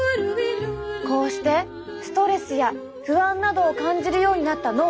こうしてストレスや不安などを感じるようになった脳。